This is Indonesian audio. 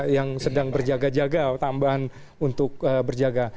yang sedang berjaga jaga tambahan untuk berjaga